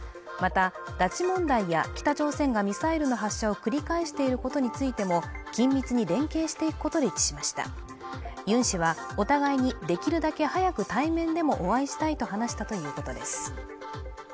また拉致問題や北朝鮮がミサイルの発射を繰り返していることについても緊密に連携していくことで一致しましたユン氏はお互いにできるだけ早く対面でもお会いしたいと話したということです